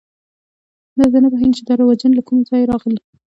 زه نه پوهېږم چې دا رواجونه له کومه ځایه راغلي.